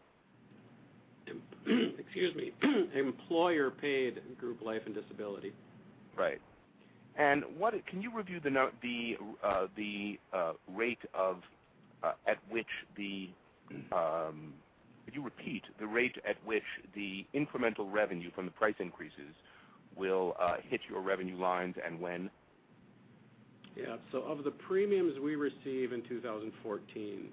Excuse me. Employer paid group life and disability. Right. Can you repeat the rate at which the incremental revenue from the price increases will hit your revenue lines and when? Yeah. Of the premiums we receive in 2014,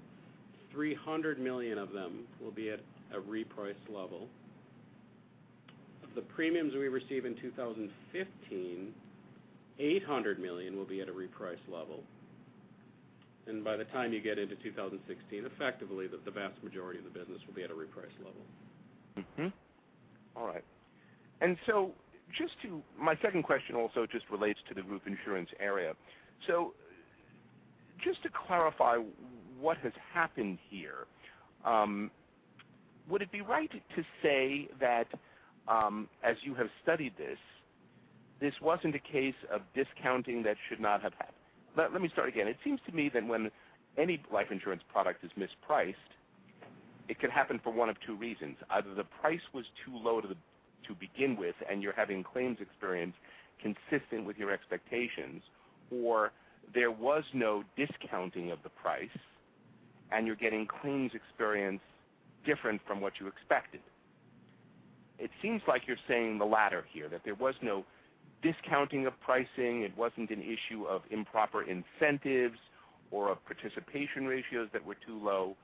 $300 million of them will be at a reprice level. Of the premiums we receive in 2015, $800 million will be at a reprice level. By the time you get into 2016, effectively, the vast majority of the business will be at a reprice level. Mm-hmm. All right. My second question also just relates to the group insurance area. Just to clarify what has happened here, would it be right to say that as you have studied this wasn't a case of discounting that should not have happened. Let me start again. It seems to me that when any life insurance product is mispriced, it can happen for one of two reasons. Either the price was too low to begin with, and you're having claims experience consistent with your expectations, or there was no discounting of the price, and you're getting claims experience different from what you expected. It seems like you're saying the latter here, that there was no discounting of pricing. It wasn't an issue of improper incentives or of participation ratios that were too low.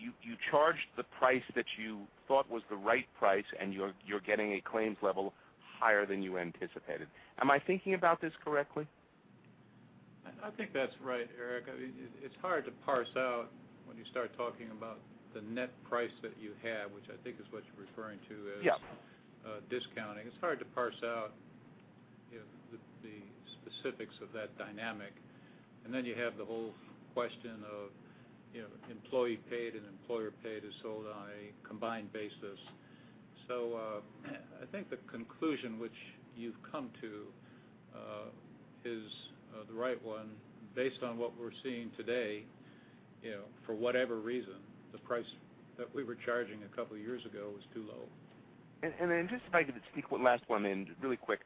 You charged the price that you thought was the right price, and you're getting a claims level higher than you anticipated. Am I thinking about this correctly? I think that's right, Eric. It's hard to parse out when you start talking about the net price that you have, which I think is what you're referring to as- Yep discounting. It's hard to parse out the specifics of that dynamic. Then you have the whole question of employee-paid and employer-paid is sold on a combined basis. I think the conclusion which you've come to is the right one based on what we're seeing today, for whatever reason. The price that we were charging a couple of years ago was too low. Just if I could sneak one last one in really quick.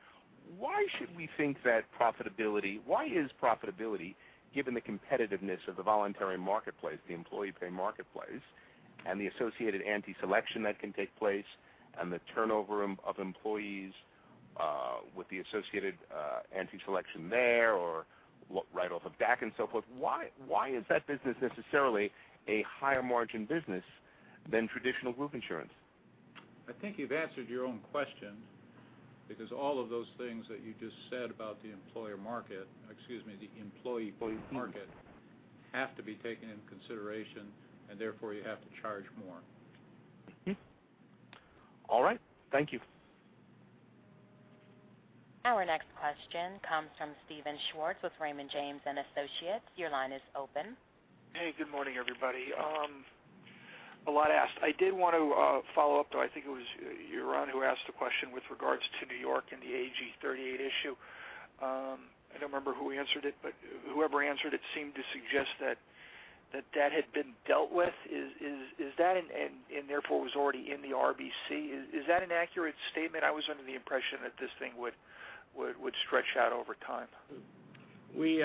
Why should we think that profitability, why is profitability, given the competitiveness of the voluntary marketplace, the employee pay marketplace, and the associated anti-selection that can take place, and the turnover of employees with the associated anti-selection there or right off of back and so forth, why is that business necessarily a higher margin business than traditional group insurance? I think you've answered your own question because all of those things that you just said about the employer market, excuse me, the employee market, have to be taken into consideration, and therefore you have to charge more. All right. Thank you. Our next question comes from Steven Schwartz with Raymond James & Associates. Your line is open. Hey, good morning, everybody. A lot asked. I did want to follow up, though. I think it was Yaron who asked a question with regards to New York and the AG 38 issue. I don't remember who answered it, but whoever answered it seemed to suggest that that had been dealt with and therefore was already in the RBC. Is that an accurate statement? I was under the impression that this thing would stretch out over time. We,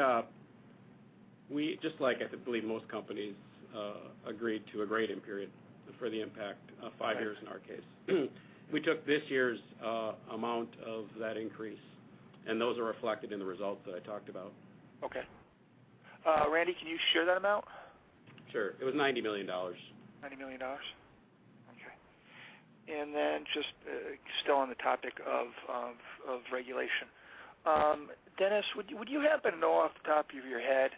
just like I believe most companies, agreed to a grade-in period for the impact of five years in our case. We took this year's amount of that increase, and those are reflected in the results that I talked about. Okay. Randy, can you share that amount? Sure. It was $90 million. $90 million? Okay. Then just still on the topic of regulation. Dennis, would you happen to know off the top of your head,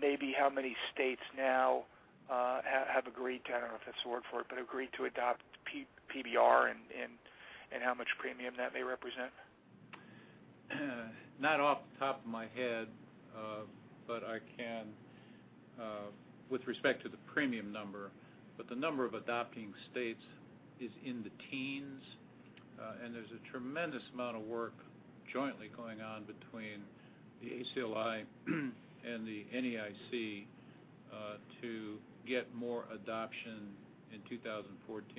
maybe how many states now have agreed to, I don't know if that's the word for it, but agreed to adopt PBR and how much premium that may represent? Not off the top of my head. I can with respect to the premium number, but the number of adopting states is in the teens. There's a tremendous amount of work jointly going on between the ACLI and the NAIC to get more adoption in 2014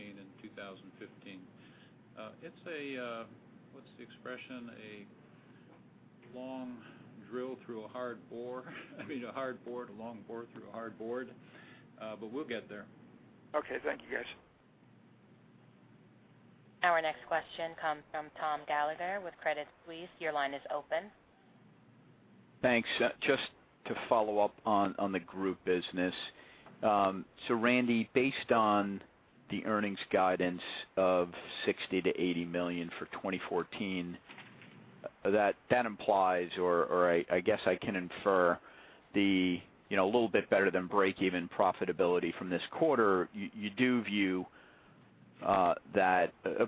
and 2015. It's a, what's the expression? A long drill through a hard bore. I mean a hard board, a long bore through a hard board. We'll get there. Okay. Thank you, guys. Our next question comes from Thomas Gallagher with Credit Suisse. Your line is open. Thanks. Just to follow up on the group business. Randy, based on the earnings guidance of $60 million-$80 million for 2014, that implies or I guess I can infer the little bit better than break-even profitability from this quarter. You do view a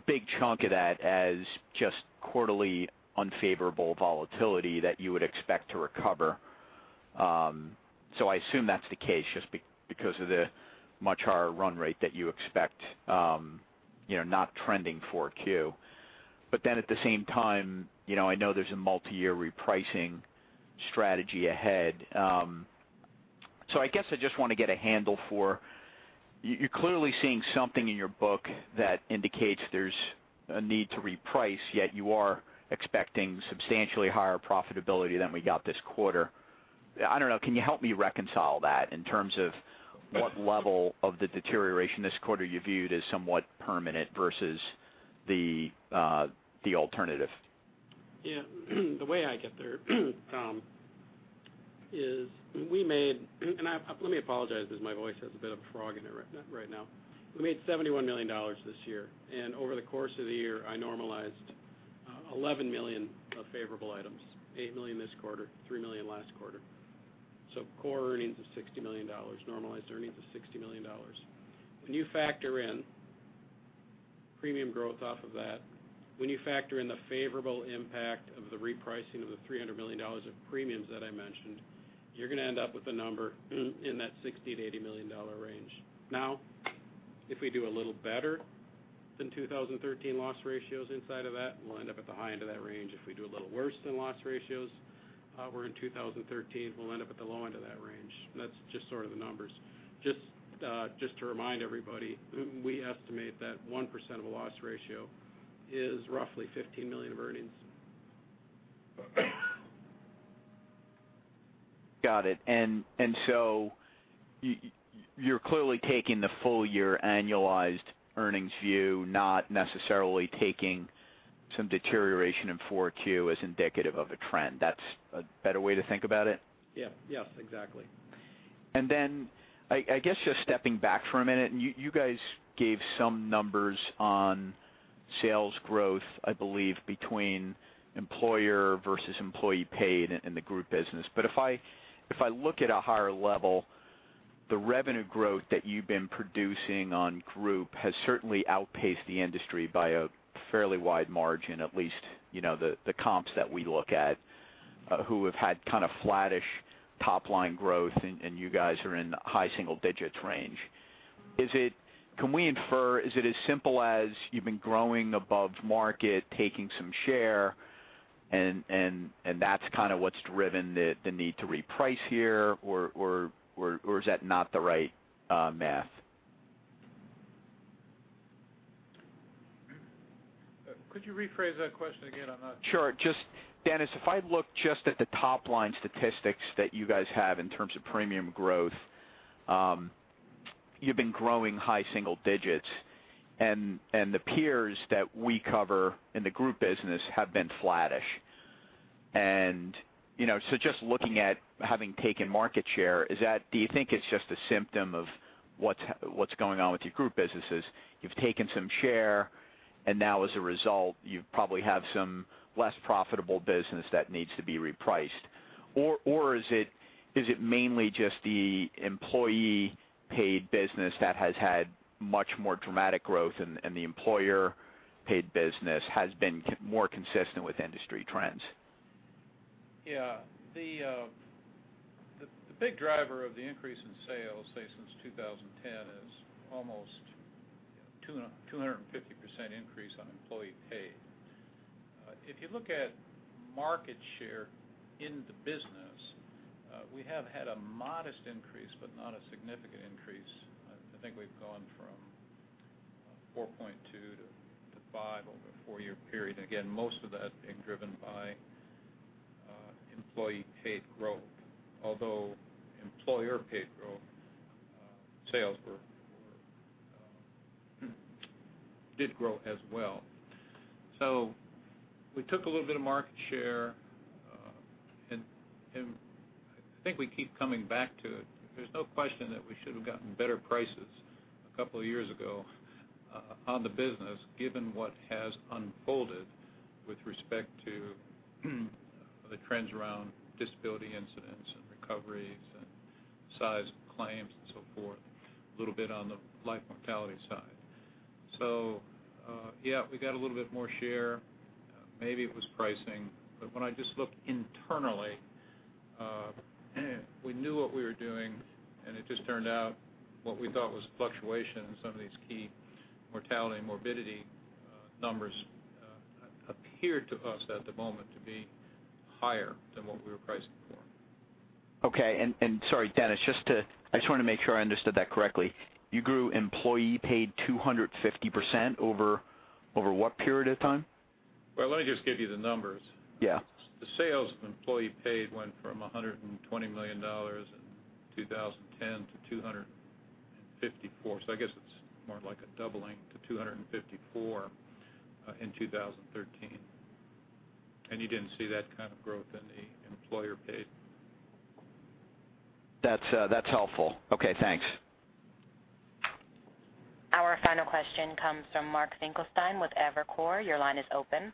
big chunk of that as just quarterly unfavorable volatility that you would expect to recover. I assume that's the case just because of the much higher run rate that you expect not trending 4Q. At the same time, I know there's a multi-year repricing strategy ahead. I guess I just want to get a handle for you're clearly seeing something in your book that indicates there's a need to reprice, yet you are expecting substantially higher profitability than we got this quarter. I don't know. Can you help me reconcile that in terms of what level of the deterioration this quarter you viewed as somewhat permanent versus the alternative? Yeah. The way I get there, Tom, is let me apologize as my voice has a bit of a frog in it right now. We made $71 million this year. Over the course of the year, I normalized $11 million of favorable items, $8 million this quarter, $3 million last quarter. Core earnings of $60 million, normalized earnings of $60 million. When you factor in premium growth off of that, when you factor in the favorable impact of the repricing of the $300 million of premiums that I mentioned, you're going to end up with a number in that $60 million-$80 million range. Now, if we do a little better than 2013 loss ratios inside of that, we'll end up at the high end of that range. If we do a little worse than loss ratios. We're in 2013, we'll end up at the low end of that range. That's just sort of the numbers. Just to remind everybody, we estimate that 1% of a loss ratio is roughly $15 million of earnings. Got it. You're clearly taking the full year annualized earnings view, not necessarily taking some deterioration in Q4 as indicative of a trend. That's a better way to think about it? Yes, exactly. I guess just stepping back for a minute, you guys gave some numbers on sales growth, I believe between employer versus employee-paid in the group business. If I look at a higher level, the revenue growth that you've been producing on group has certainly outpaced the industry by a fairly wide margin, at least the comps that we look at who have had kind of flattish top-line growth, and you guys are in the high single digits range. Can we infer, is it as simple as you've been growing above market, taking some share, and that's kind of what's driven the need to reprice here? Or is that not the right math? Could you rephrase that question again? Sure. Dennis, if I look just at the top line statistics that you guys have in terms of premium growth, you've been growing high single digits, and the peers that we cover in the group business have been flattish. Just looking at having taken market share, do you think it's just a symptom of what's going on with your group businesses? You've taken some share, and now as a result, you probably have some less profitable business that needs to be repriced. Or is it mainly just the employee-paid business that has had much more dramatic growth and the employer-paid business has been more consistent with industry trends? Yeah. The big driver of the increase in sales, say, since 2010, is almost 250% increase on employee paid. If you look at market share in the business, we have had a modest increase, but not a significant increase. I think we've gone from 4.2 to 5 over a four-year period. Again, most of that being driven by employee paid growth, although employer paid growth, sales did grow as well. We took a little bit of market share, and I think we keep coming back to it. There's no question that we should have gotten better prices a couple of years ago on the business, given what has unfolded with respect to the trends around disability incidents and recoveries and size of claims and so forth, a little bit on the life mortality side. Yeah, we got a little bit more share. Maybe it was pricing, but when I just looked internally, we knew what we were doing, and it just turned out what we thought was fluctuation in some of these key mortality and morbidity numbers appeared to us at the moment to be higher than what we were pricing for. Okay. Sorry, Dennis, I just want to make sure I understood that correctly. You grew employee paid 250% over what period of time? Well, let me just give you the numbers. Yeah. The sales of employee paid went from $120 million in 2010 to $254. I guess it's more like a doubling to $254 in 2013. You didn't see that kind of growth in the employer paid. That's helpful. Okay, thanks. Our final question comes from Mark Finkelstein with Evercore. Your line is open.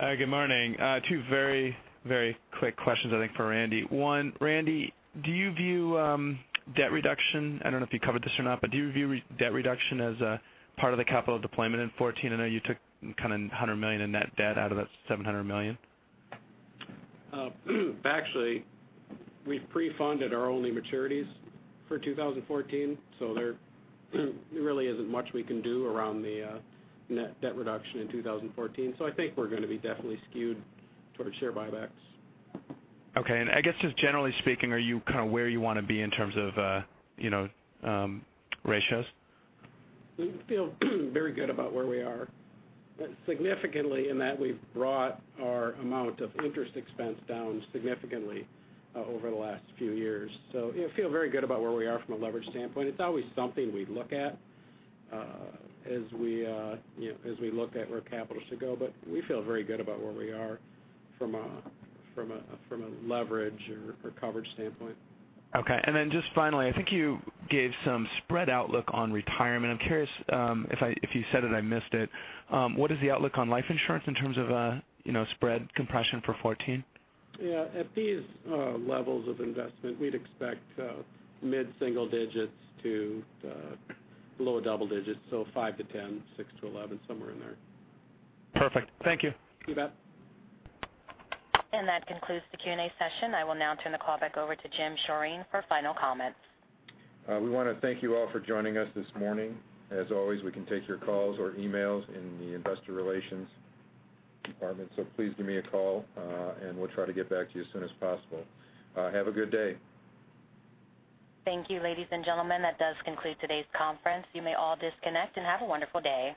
Good morning. Two very quick questions, I think for Randy. One, Randy, do you view debt reduction, I don't know if you covered this or not, but do you view debt reduction as a part of the capital deployment in 2014? I know you took kind of $100 million in net debt out of that $700 million. Actually, we've pre-funded our only maturities for 2014. There really isn't much we can do around the net debt reduction in 2014. I think we're going to be definitely skewed towards share buybacks. Okay. I guess just generally speaking, are you kind of where you want to be in terms of ratios? We feel very good about where we are. Significantly in that we've brought our amount of interest expense down significantly over the last few years. Feel very good about where we are from a leverage standpoint. It's always something we look at as we look at where capital should go, we feel very good about where we are from a leverage or coverage standpoint. Okay. Then just finally, I think you gave some spread outlook on retirement. I'm curious, if you said it, I missed it. What is the outlook on life insurance in terms of spread compression for 2014? Yeah. At these levels of investment, we'd expect mid-single digits to low double digits. 5-10, 6-11, somewhere in there. Perfect. Thank you. You bet. That concludes the Q&A session. I will now turn the call back over to Jim Schorring for final comments. We want to thank you all for joining us this morning. As always, we can take your calls or emails in the investor relations department, so please give me a call, and we'll try to get back to you as soon as possible. Have a good day. Thank you, ladies and gentlemen. That does conclude today's conference. You may all disconnect and have a wonderful day.